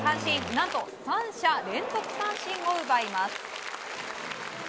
何と三者連続三振を奪います。